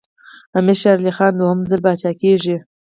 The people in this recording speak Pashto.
امیر شېر علي خان دوهم ځل پاچا کېږي.